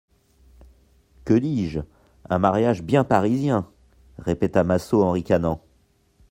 Que dis-je, un mariage bien parisien ! répéta Massot en ricanant.